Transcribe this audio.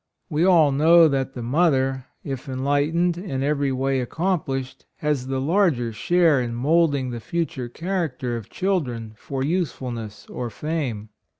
We all know that the mother, if enlightened and every way accom plished, has the larger share in moulding the future character of children for usefulness or fame.